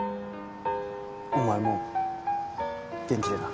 お前も元気でな。